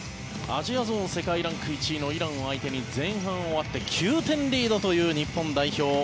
アジアゾーン世界ランク１位のイランを相手に前半終わって９点リードという日本代表。